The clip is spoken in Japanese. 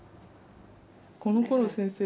このころ先生